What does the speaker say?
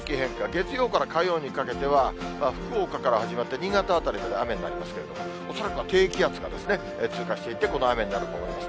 月曜から火曜にかけては、福岡から始まって、新潟辺りまで雨になりますけれども、恐らくは低気圧が通過していって、この雨になると思います。